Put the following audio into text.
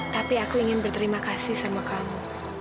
tapi aku ingin berterima kasih sama kamu